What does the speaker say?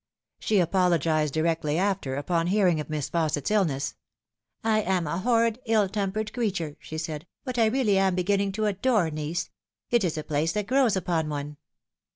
She apologised directly after upon hearing of Miss Fausset's illness. " I am a horrid ill tempered creature," she said ;" but I really am beginning to adore Nice. It is a place that grows upon one."